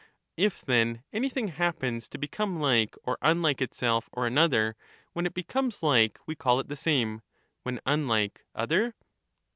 If, then, anything happens to become like or unlike itself or another, when it becomes like we call.it the same — when unlike, other